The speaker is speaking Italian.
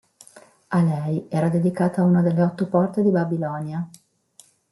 A lei era dedicata una delle otto porte di Babilonia.